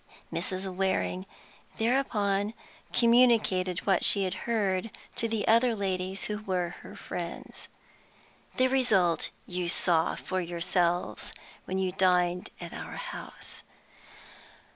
Mrs. Waring thereupon communicated what she had heard to other ladies who were her friends. The result you saw for yourselves when you dined at our house.